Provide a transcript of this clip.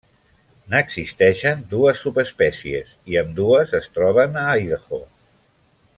N'existeixen dues subespècies, i ambdues es troben a Idaho.